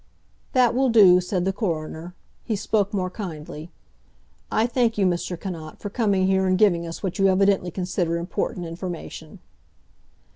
"That will do," said the coroner. He spoke more kindly. "I thank you, Mr. Cannot, for coming here and giving us what you evidently consider important information."